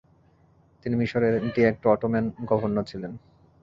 তিনি মিশরের ডি-অ্যাক্টো Ottoman governor ছিলেন।